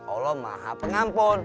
allah maha pengampun